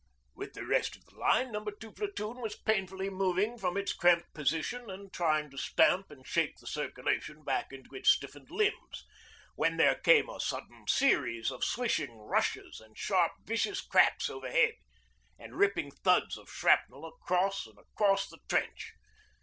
With the rest of the line No. 2 Platoon was painfully moving from its cramped position and trying to stamp and shake the circulation back into its stiffened limbs, when there came a sudden series of swishing rushes and sharp vicious cracks overhead, and ripping thuds of shrapnel across and across the trench.